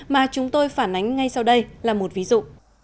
mà chúng tôi phản ánh ngay sau đây là một ví dụ